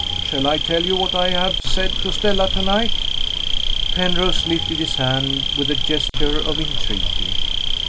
Shall I tell you what I have said to Stella to night?" Penrose lifted his hand with a gesture of entreaty.